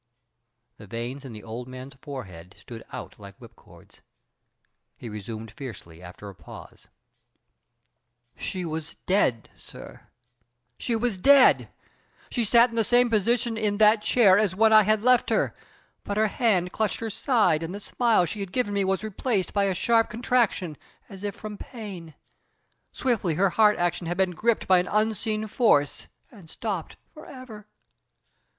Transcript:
The veins in the old man's forehead stood out like whipcords. He resumed fiercely after a pause: "She was dead, sir. She was dead. She sat in the same position in that chair as when I had left her, but her hand clutched her side and the smile she had given me was replaced by a sharp contraction, as if from pain. Swiftly her heart action had been gripped by an unseen force and stopped forever.